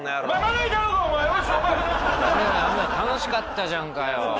楽しかったじゃんかよ。